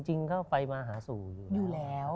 จริงก็ไฟมาหาสู่อยู่แล้ว